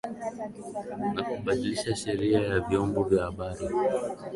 na kubadilisha sheria ya vyombo vya habari